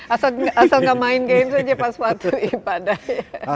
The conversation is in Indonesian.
asal nggak main game saja pas waktu ibadah ya